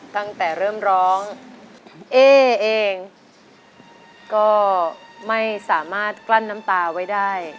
ตั้งแต่เริ่มร้องเอ๊เองก็ไม่สามารถกลั้นน้ำตาไว้ได้